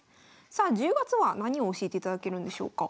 さあ１０月は何を教えていただけるんでしょうか？